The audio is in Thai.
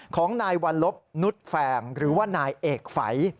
ของนายวัลลบนุษย์แฟงหรือว่านายเอกฝัย